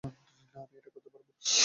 না, আমি এটা করতে পারবো।